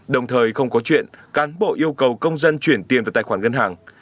đồng thời không có chuyện cán bộ yêu cầu công dân chuyển tiền vào tài quản nhân hàng